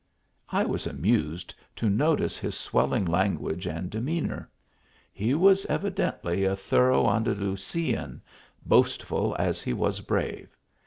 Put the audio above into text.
I was amused to notice his swelling language and demeanour. He was evidently a thorough AncUlusian, boastful as he was brave.